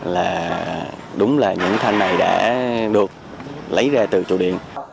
là đúng là những thanh này đã được lấy ra từ trụ điện